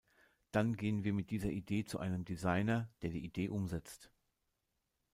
Dann gehen wir mit dieser Idee zu einem Designer, der die Idee umsetzt.